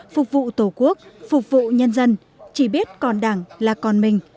phục vụ tổ quốc phục vụ nhân dân chỉ biết còn đảng là còn mình